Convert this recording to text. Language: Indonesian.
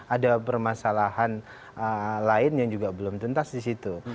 ada permasalahan lain yang juga belum tuntas di situ